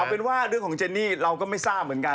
เอาเป็นว่าเรื่องของเจนนี่เราก็ไม่ทราบเหมือนกัน